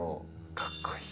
かっこいい。